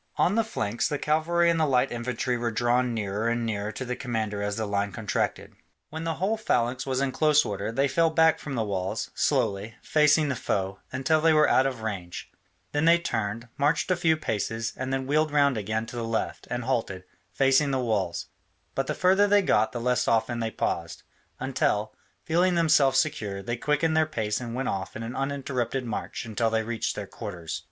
On the flanks, the cavalry and the light infantry were drawn nearer and nearer to the commander as the line contracted. When the whole phalanx was in close order, they fell back from the walls, slowly, facing the foe, until they were out of range; then they turned, marched a few paces, and then wheeled round again to the left, and halted, facing the walls, but the further they got the less often they paused, until, feeling themselves secure, they quickened their pace and went off in an uninterrupted march until they reached their quarters.